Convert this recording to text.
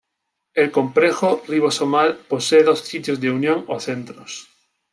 El complejo ribosomal posee dos sitios de unión o centros.